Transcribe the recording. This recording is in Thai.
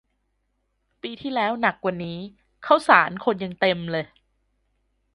ปีที่แล้วหนักกว่านี้ ข้าวสารคนยังเต็มเลย